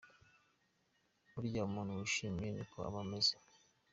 Burya umuntu wishimye ni uku aba ameze.